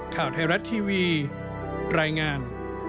ข่าวไทยรัฐทีวีรายงาน